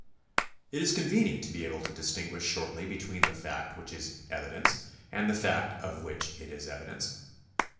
It is convenient to be able to distingush shortly between the fact which is evidence, and the fact of which it is evidence.